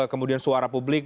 kemudian suara publik